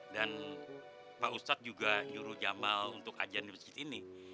dan pak ustadz juga nyuruh jamal untuk ajar di masjid ini